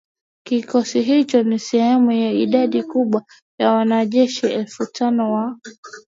Kikosi hicho ni sehemu ya idadi kubwa ya wanajeshi elfu tano wa